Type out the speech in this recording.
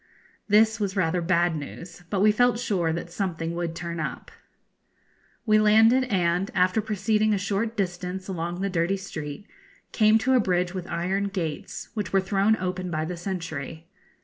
This was rather bad news, but we felt sure that something would turn up. [Illustration: Chinese Pagoda and Boats.] We landed, and, after proceeding a short distance along the dirty street, came to a bridge with iron gates, which were thrown open by the sentry.